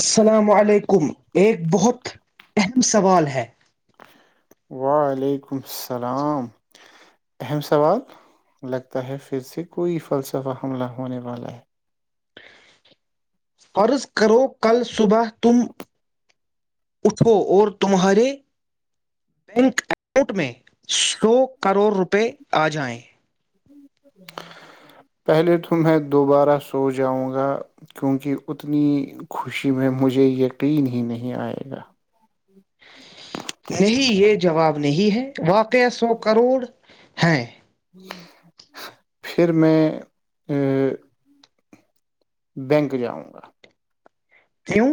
السلام علیکم ایک بہت اہم سوال ہے وعلیکم السلام اہم سوال لگتا ہے پھر سے کوئی فلسفہ حملہ ہونے والا ہے قرض کرو کل صبح تم اٹھو اور تمہارے بینک اکاؤنٹ میں سو کروڑ روپے آ جائیں پہلے تو میں دوبارہ سو جاؤں گا کیونکہ اتنی خوشی میں مجھے یقین ہی نہیں آئے گا نہیں یہ جواب نہیں ہے واقع سو کروڑ ہے پھر میں یہ بینک جاؤں گا کیوں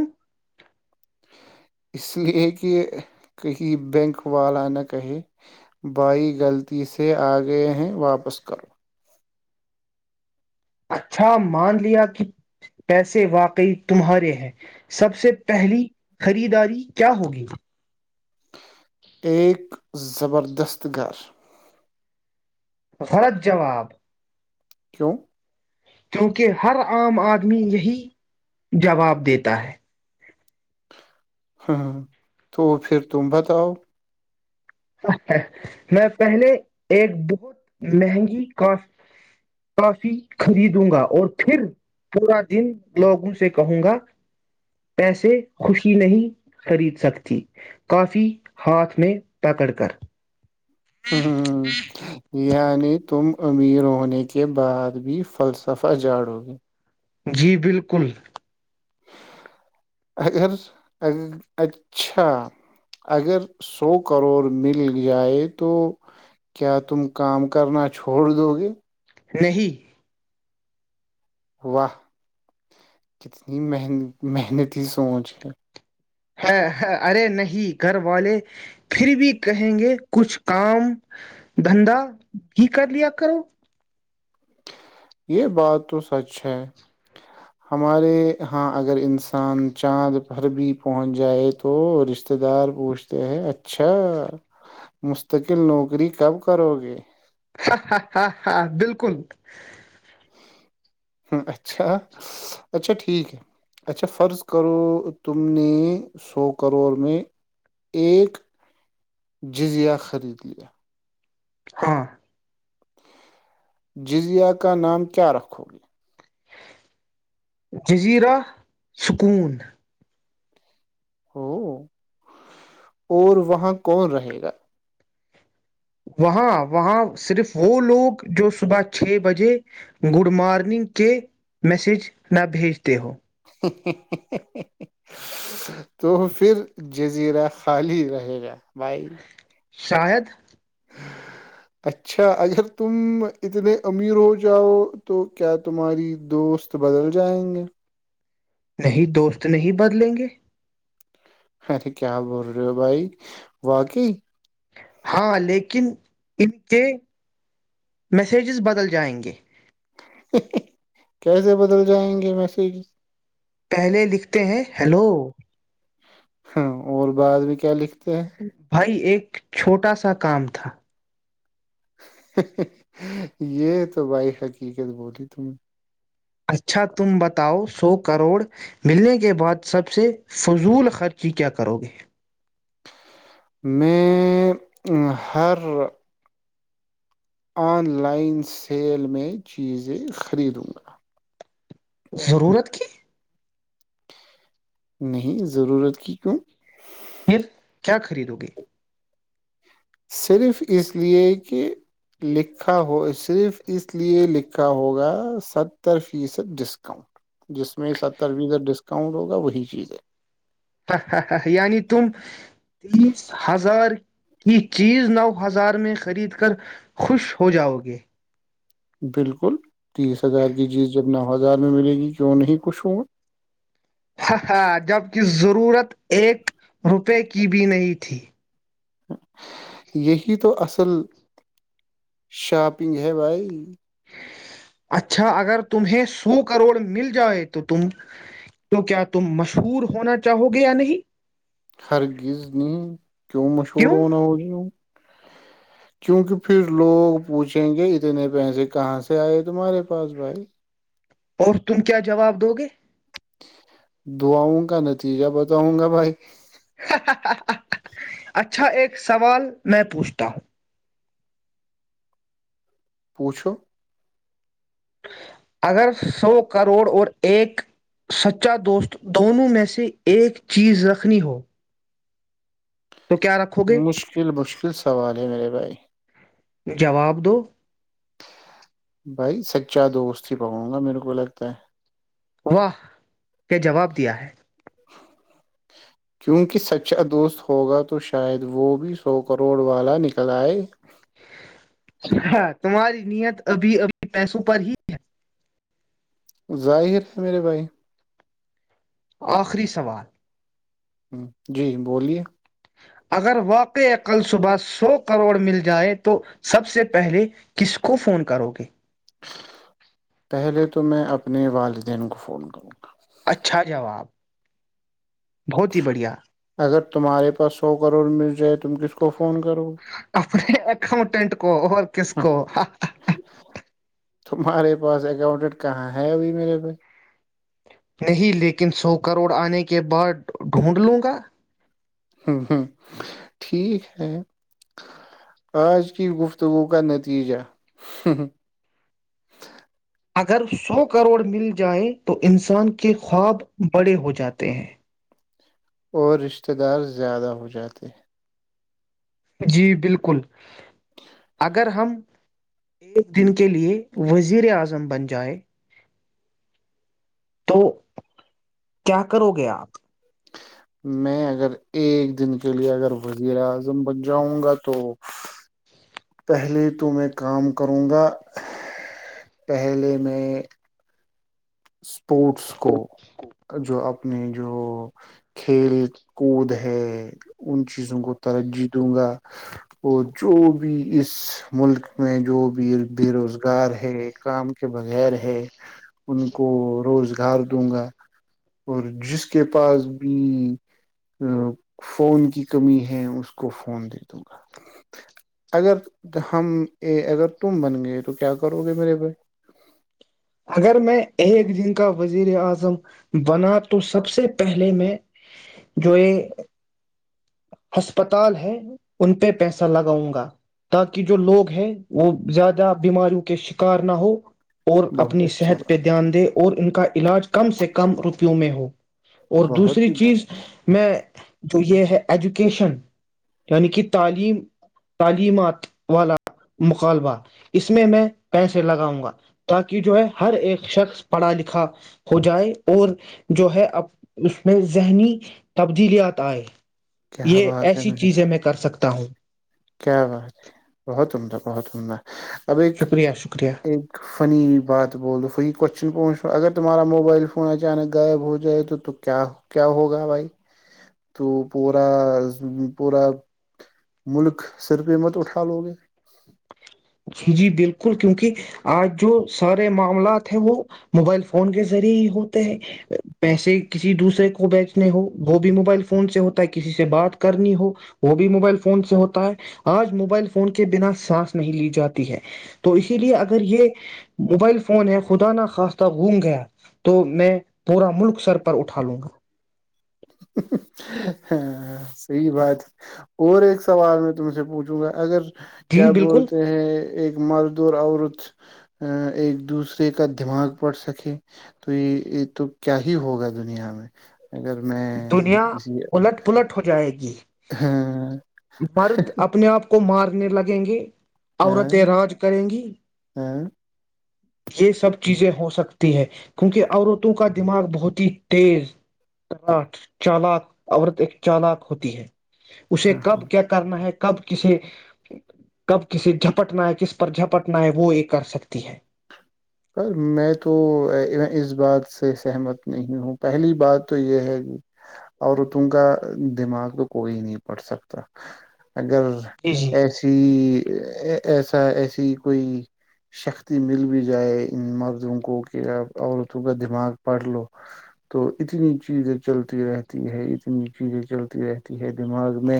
اس لیے کہ کہیں بینک والا نہ کہے بھائی غلطی سے آ گئے ہیں واپس کرو اچھا مان لیا کہ پیسے واقعی تمہارے ہیں سب سے پہلی خریداری کیا ہوگی ایک زبردست گھر غلط جواب کیوں کیونکہ ہر عام آدمی یہی جواب دیتا ہے ہاں تو پھر تم بتاؤ ہا ہامیں پہلے ایک بہت مہنگی کاف کافی خریدوں گا اور پھر پورا دن لوگوں سے کہوں گا پیسے خوشی نہیں خرید سکتی کافی ہاتھ میں پکڑ کر ہوں ہوں ہوں یعنی تم امیر ہونے کے بعد بھی فلسفہ جاڑو گے جی بالکل اگر اگر ا چھا اگر سو کروڑ مل جائے تو کیا تم کام کرنا چھوڑ دو گے نہیں واہ کتنی محن محنتی سوچ ہے ہا ہا ہے ارے نہیں گھر والے پھر بھی کہیں گے کچھ کام دھندا ہی کر لیا کرو یہ بات تو سچ ہے ہمارے ہاں اگر انسان چاند پرھر بھی پہنچ جائے تو رشتتے دار پوچھتے ہیں اچھا مستقل نوکری کب کرو گے ہ ہ ہاں ہاں بالکل ہ اچھا اچھا ٹھیک ہے اچھا فرض کرو تم نے سو کروڑ میں ایک جزیا خرید لیا ہاں جزیہ کا نام کیا رکھو گے؟ جزیرہ سکون ہو اور وہاں کون رہے گا وہاں وہاں صرف وہ لوگ جو صبح چھ بجے گڈ مارننگ کے میسج نہ بھیجتے ہو ہا ہا تو پھر جزیرہ خالی رہے گا بھائی شاید اچھا اگر تم اتنے امیر ہو جاؤ تو کیا تمہاری دوست بدل جائیں گے نہیں دوست نہیں بدلیں گے ارے کیا بول رہے ہو بھائی واقعی ہاں لیکن ان کے میسجز بدل جائیں گے ہا ہا کیسے بدل جائیں گے میسج پہلے لکھتے ہیں ہیلو ہ اور بعد بھی کیا لکھ بھائی ایک چھوٹا سا کام تھا یہ تو بھائی حقیقت بولی تم اچھا تم بتاؤ سو کروڑ ملنے کے بعد سب سے فضول خرچی کیا کرو گے میں ہر آن لائن سیل میں چیزیں خریدوں گا ضرورت کی نہیں ضرورت کی کیوں پھر کیا خریدو گے؟ صرف اس لیے کہ لکھا ہو صرف اس لیئےے لکھا ہوگا ستر فیصد ڈسکاؤنٹ جس میں ستر فیصد ڈسکاؤنٹ ہوگا وہی چیز ہے ہا ہا یعنی تم تیس ہزار یہ چیز نو ہزار میں خرید کر خوش ہو جاؤ گے بالکل تیس ہزار کی جیز جب نو ہزار میں ملے گی کیوں نہیں خوش ہووں گا ہاں ہاں جبک ضرورت ایک روپے کی بھی نہیں تھی یہی تو اصل شاپنگ ہے بھائی اچھا اگر تمہیں سو کروڑ مل جائے تو تم تو کیا تم مشہور ہونا چاہو گے یا نہیں ہرگز نی کیوں مشہور ہونا ہوگی کیونکہ پھر لوگ پوچھیں گے اتنے پیسے کہاں سے آئے تمہارے پاس بھائی اور تم کیا جواب دو گے دعاؤں کا نتیجہ بتاؤں گا بھائی اچھا ایک سوال میں پوچھتا ہوں پوچو اگر سو کروڑ اور ایک سچا دوست دونوں میں سے ایک چیز رکھنی ہو تو کیا رکھو گے مشکل مشکل سوال ہے میرے بھائی جواب دو بھائی سچا دوست ہی پکوں گا میرے کو لگتا ہے واہ یہ جواب دیا ہے کیونکہ سچا دوست ہوگا تو شاید وہ بھی سو کروڑ والا نکل آئے ہاں تمہاری نیت ابھی ابھی پیسوں پر ہی ہے ظاہر ہے میرے بھائی آخری سوال ہ جی بولیے اگر واقع عقل صبح سو کروڑ مل جائے تو سب سے پہلے کس کو فون کرو گے پہلے تو میں اپنے والدین کو فون کروں اچھا جواب بہت ہی بڑھیا تمہارےاس سو کروڑ مل جائے تم کس کو فون کرو گے؟ اپنے اکاؤنٹینٹ کو اور کس کو ہا ہا ہا تمہارے پاس اکاؤنٹنٹ کہاں ہے ابھی میرے بھائی نہیں لیکن سو کروڑ آنے کے بعد ڈھونڈ لوں گا ہ ہ ٹھیک ہے آج کی گفتگو کا نتیجہ اگر سو کروڑ مل جائ تو انسان کے خواب بڑے ہو جاتے ہیں اور رشتہ دار زیادہ ہو جاتے جی بالکل اگر ہم ایک دن کے لیے وزیر اعظم بن جائیں تو کیا کرو گے آپ میں اگر ایک دن کے لیے اگر وزیر اعظم بن جاؤں گا تو پہلے تو میں کام کروں گا پہلے میں اسپورٹس کو جو اپنے جو کھیل کود ہے ان چیزوں کو ترجیح دوں گا اور جو بھی اس ملک میں جو بھی بے روزگار ہے کام کے بغیر ہے ان روزگار دوں گا اور جس کے پاس بھی فون کی کمی ہے اس کو فون دے دوں گا اگر ہم اگر تم بن گئے تو کیا کرو گے میرے بھائی اگر میں ایک دن کا وزیر اعظم بنا تو سب سے پہلے میں جو یہ ہسپتال ہے ان پہ پیسہ لگاؤں گا تاکہ جو لوگ ہے وہ زیادہ بیماریوں کے شکار نہ ہو اور بہت اپنی اچھی صحت پہ بات دھیان دے اور ان کا علاج کم سے کم رک کیوں میں ہو اور بہت دوسری ہی چیز میں جو یہ ہے ایجوکیشن یعنی کہ تعلیم تعلیمات والا مقالبہ اس میں میں پیسے لگاؤں گا تاکہ جو ہے ہر ایک شخص پڑھا لکھا ہو جائے اور جو ہے اس میں ذہنی تبدیلیات آئے کیا یہ بات ہے ایسی میرے چیزیں میں کر سکتا ہوں کیا بات ہے بہت عمدہ بہت عمدہ اب ایک شکریہ شکریہ ایک فنی بات بول دو فی کو نچ اگر تارا موبائل فون اچانک غائب ہو جائے تو تو کیا ہوگا بھائی تو پا پورا ملک صر پ مت اٹھا لو گے جی بالکل کیونکہ آج جو سارے معاملات ہیں وہ موبائل فون کے ذریعے ہی ہوتے ہیں پیسے کسی دوسرے کو بیچنے ہو وہ بھی موبائل فون سے ہوتا ہے کسی سے بات کرنی ہو وہ بھی موبائل فون سے ہوتا ہے آج موبائل فون کے بنا سانس نہیں لی جاتی ہے تو اسی لیے اگر یہ موبائل فون ہے خدا ن خواستہ گوم گیا تو میں پورا ملک سر پر اٹھا لوں گا ہ صحی بات ہے اور ایک سوال میں تم سے پوچھوں گا اگر جی کیا بالکل بولتے ہیں ایک مرد د عورت ایک دوسرے کا دماغ پڑھ سکے تو یہ یہ تو کیا ہی ہوگا دنیا میں اگر میں دنیا کسی الٹ پلٹ ہو جائے گی ہاں مرد اپنے آپ کو مارنے لگیں گے عورتیں ہاں راج کریں گی ہاں یہ سب چیزیں ہوس سکتی ہے کیونکہ عورتوں کا دماغ بہت ہی تیزا چالاک عورت ایک چالک ہوتی ہے اسے ہاں کب کیا کرنا ہے کب کے کب کس جپٹنا ہے کس پر جھپٹنا ہے وہ یہ کر سکتی ہے پر میں تو اس بات سے سہمت نہیں ہوں پہلی بات تو یہ ہے کہ عورتوں کا دماغ تو کوئی نہیں پڑ سکتا اگر جی جی ایسی ایسا ایسی کوئی شکتی مل بھی جائے مردوں کو کہ عورتوں کا دماغ پڑھ لو تو اتنی چیزیں چلتی رہتی ہے اتنی چیزیں چلتی رہتی ہے دماغ میں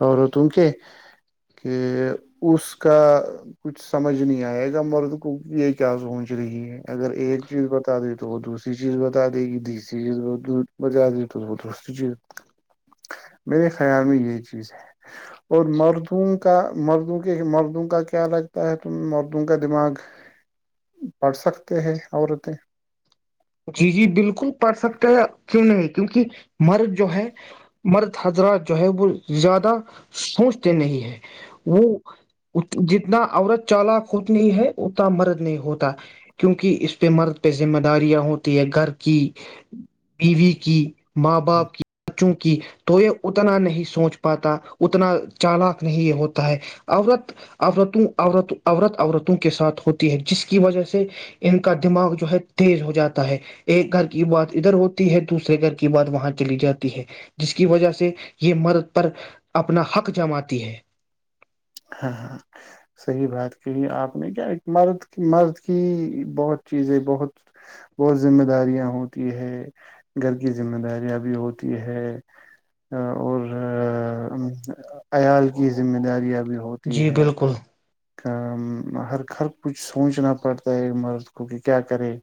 عورتوں کے کہ اس کا کچھ سمجھ نہیں آئے گا مرد کی کیا سوچ رہی ہے اگر ایک چیز بتا دی تو وہ دوسری چیز بتا دے گی تیسری چیز بتا دی تو وہ دوسری چیز گ میرے خیال میں یہ چیز ہے اور مردوں کا مردوں کے مردوں کا کیا لگتا ہے ت مردوں کا دماغ پڑھ سکتے ہیں عورتیں جی جی بالکل پڑھ سکتے ہیں کیوں نہیں کیونکہ مرد جو ہے مرد حضرات جو ہے وہ زیادہ سوچتے نہیں ہے وہ جتنا عورت چالک ہوتی ہے اتنا مرد نہیں ہوتا کیونکہ اس پہ مرد پہ ذمہ داریاں ہوتی ہوتی ہے گھر کی بیوی کی ماں باپ کی چونک تو یہ اتنا نہیں سوچ پاتا اتنا چالاک نہیں یہ ہوتا ہے عورت عورتوں عورت عورت عورتوں کے ساتھ ہوتی ہے جس کی وجہ سے ان کا دماغ جو ہے تیز ہو جاتا ہے ایک گھر کی بات ادھر ہوتی ہے دوسرے گھر کی بات وہاں چلی جاتی ہے جس کی وجہ سے یہ مرد پر اپنا حق جماتی ہے ہاں ہاں صحیح بات کہی آپ نے کیا ایک مرد مرد کی بہت چیزیں بہت بہت ذمہ داریاں ہوتی ہے گھر کی ذمہ داریاں بھی ہوتی ہے اور عیال کی ذمہ داریاں بھی ہوتی جی ہے بالکل [unintelligible] سوچنا پڑتا ہے ایک مرض کوک کیا کرے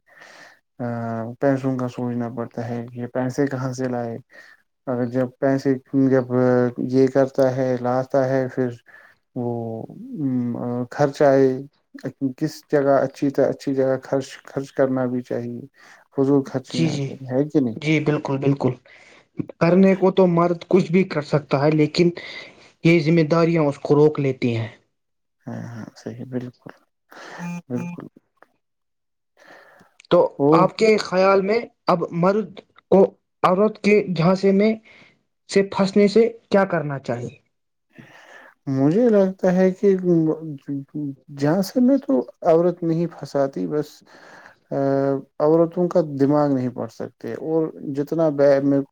ا پیسوں کا سوچنا پڑتا ہے یہ پیسے کہاں سے لائے اگر جب پیسے جب یہ کرتا ہے لاتا ہے پھر وہ خرچ آئے کس جگہ اچھی سے اچھی جگہ خرچ خرچ کرنا بھی چاہیے فضول خرچی جی نہ جی کرے ہے کہ نہیں جی بالکل بالکل کرنے کو تو مرد کچھ بھی کر سکتا ہے لیکن یہ ذمہ داریاں اس کو روک لیتی ہیں ہاں ہاں سحیح بالکل بالکل تو اور آپ کے خیال میں اب مرد کو عورت کے جھانسے میں سے پھنسنے سے کیا کرنا چاہیے مجھے لگتا ہے کہ جہاں سے میں تو عورت نہیں پھنساتی بس ا عورتوں کا دماغ نہیں پڑ سکتے اور جتنا بی میں